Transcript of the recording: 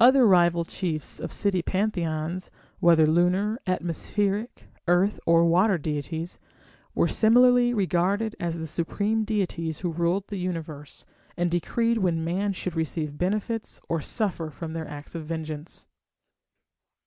Other rival chiefs of city pantheons, whether lunar, atmospheric, earth, or water deities, were similarly regarded as the supreme deities who ruled the Universe, and decreed when man should receive benefits or suffer from their acts of vengeance.